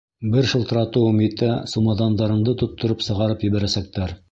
Бер шылтыратыуым етә, сумаҙандарыңды тоттороп сығарып ебәрәсәктәр!